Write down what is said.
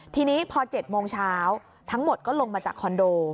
ทีนี้พอ๗โมงเช้าทั้งหมดก็ลงมาจากคอนโด